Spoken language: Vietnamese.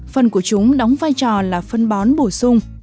phần của chúng đóng vai trò là phân bón bổ sung